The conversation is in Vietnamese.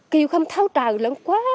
kiểu không thâu tràu